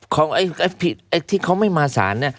ของไอ้ผิดไอ้ที่เขาไม่มาสาร